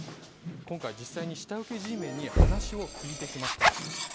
今回、実際に下請けＧメンに話を聞いてきました。